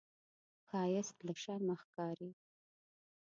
ښایست له شرمه ښکاري